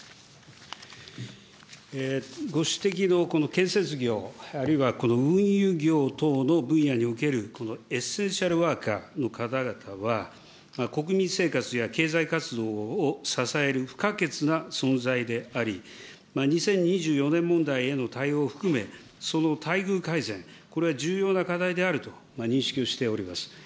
ご指摘の建設業、あるいは運輸業等の分野におけるエッセンシャルワーカーの方々は、国民生活や経済活動を支える不可欠な存在であり、２０２４年問題への対応を含め、その待遇改善、これは重要な課題であると認識をしております。